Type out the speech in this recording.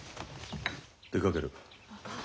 出かける。